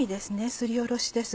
すりおろしです。